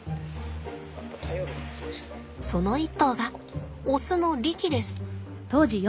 その一頭がオスのリキです。